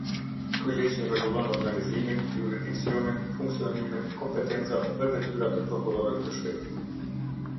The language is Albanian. Ky ligj rregullon organizimin, juridiksionin, funksionimin, kompetencat dhe detyrat e Prokurorit të Shtetit.